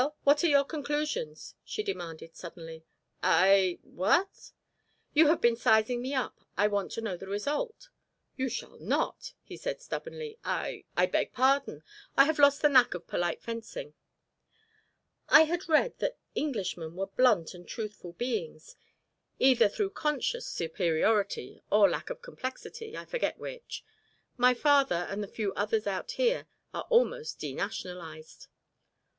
What are your conclusions?" she demanded suddenly. "I what?" "You have been sizing me up. I want to know the result." "You shall not," he said stubbornly. "I I beg pardon; I have lost the knack of polite fencing." "I had read that Englishmen were blunt and truthful beings either through conscious superiority or lack of complexity, I forget which. My father and the few others out here are almost denationalised."